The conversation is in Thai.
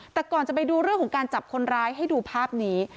แต่ก่อนจะไปดูเรื่องของการจับคนร้ายให้ดูภาพนี้